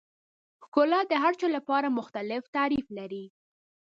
ښکلا د هر چا لپاره مختلف تعریف لري.